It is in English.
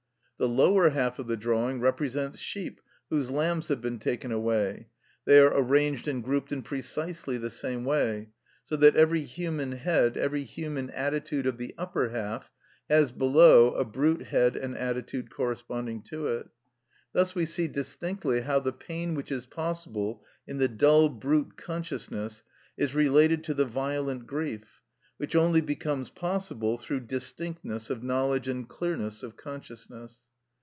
The lower half of the drawing represents sheep whose lambs have been taken away. They are arranged and grouped in precisely the same way; so that every human head, every human attitude of the upper half, has below a brute head and attitude corresponding to it. Thus we see distinctly how the pain which is possible in the dull brute consciousness is related to the violent grief, which only becomes possible through distinctness of knowledge and clearness of consciousness.